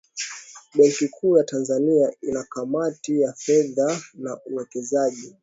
benki kuu ya tanzania ina kamati ya fedha na uwekezaji